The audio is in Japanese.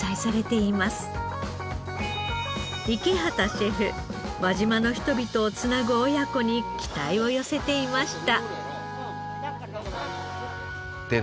シェフ輪島の人々を繋ぐ親子に期待を寄せていました。